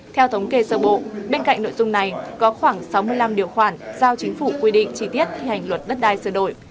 theo thống kê sơ bộ bên cạnh nội dung này có khoảng sáu mươi năm điều khoản giao chính phủ quy định chi tiết thi hành luật đất đai sửa đổi